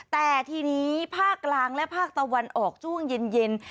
แต่ทีนี้ภาคกลางและภาคตะวันออกช่วงเย็น